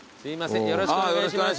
よろしくお願いします。